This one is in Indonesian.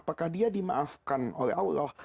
apakah dia dimaafkan oleh allah